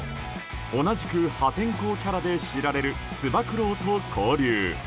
同じく破天荒キャラで知られるつば九郎と交流。